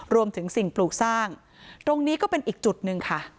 สิ่งปลูกสร้างตรงนี้ก็เป็นอีกจุดหนึ่งค่ะ